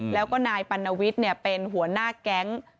แล้วก็นายปัณวิทย์เป็นหัวหน้าแก๊ง